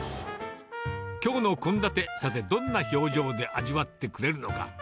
きょうの献立、さて、どんな表情で味わってくれるのか。